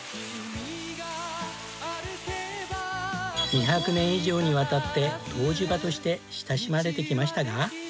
２００年以上にわたって湯治場として親しまれてきましたが。